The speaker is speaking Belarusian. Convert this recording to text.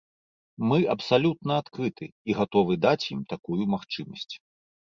Мы абсалютна адкрыты і гатовы даць ім такую магчымасць.